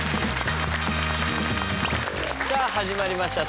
さあ始まりました